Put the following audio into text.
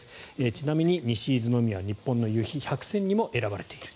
ちなみに西伊豆のみは日本の夕日百選に選ばれている。